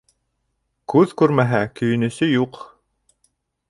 Күҙ күрмәһә, көйөнөсө юҡ.